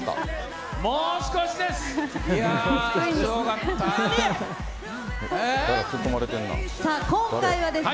もう少しです。